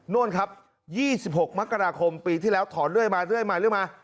นั่นครับ๒๖มคมปีที่แล้วถอนเรื่อยมาเรื่อยมา